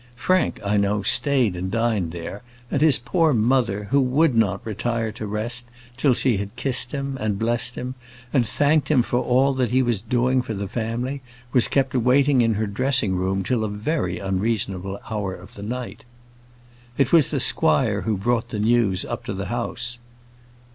Frank, I know, stayed and dined there, and his poor mother, who would not retire to rest till she had kissed him, and blessed him, and thanked him for all he was doing for the family, was kept waiting in her dressing room till a very unreasonable hour of the night. It was the squire who brought the news up to the house.